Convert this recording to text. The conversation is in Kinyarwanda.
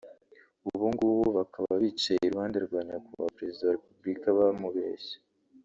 ubungubu bakaba bicaye iruhande rwa Nyakubahwa perezida wa repubulika bamubeshya